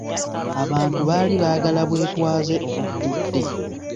Abantu baali baagala bwetwaze obujjudde.